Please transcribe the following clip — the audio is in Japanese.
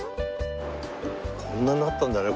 こんなになったんだね